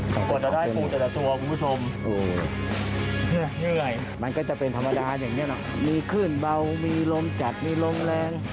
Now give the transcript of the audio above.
แต่กว่าจะได้ปูแต่ละตัวคุณผู้ชมเหนื่อยมันก็จะเป็นธรรมดาอย่างนี้นะมีคลื่นเบามีลมจัดมีลมแรง